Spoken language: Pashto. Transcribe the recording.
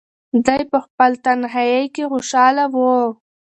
دی په خپل تنهایۍ کې خوشحاله و.